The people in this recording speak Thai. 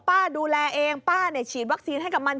ป้าดูแลเองป้าเนี่ยฉีดวัคซีนให้กับมัน